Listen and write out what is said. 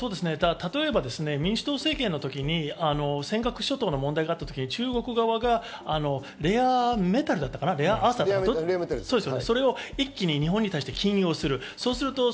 例えば民主党政権の時に尖閣諸島の問題があったとき、中国側がレアメタルだったか、レアアースだったか、それを一気に日本に対して禁輸をする。